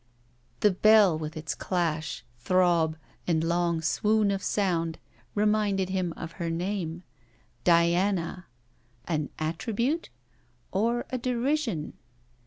The Bell, with its clash, throb and long swoon of sound, reminded him of her name: Diana! An attribute? or a derision?